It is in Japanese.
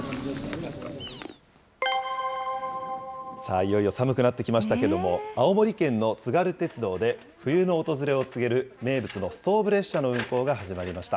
いよいよ寒くなってきましたけれども、青森県の津軽鉄道で、冬の訪れを告げる、名物のストーブ列車の運行が始まりました。